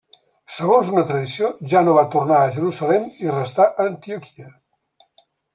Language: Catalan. Segons una tradició, ja no va tornar a Jerusalem i restà a Antioquia.